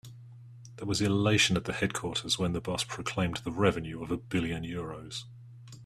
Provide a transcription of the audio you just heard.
There was elation at the headquarters when the boss proclaimed the revenue of a billion euros.